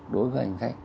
đối với hành khách